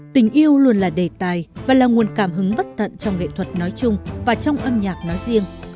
tình yêu luôn là đề tài và là nguồn cảm hứng bất tận trong nghệ thuật nói chung và trong âm nhạc nói riêng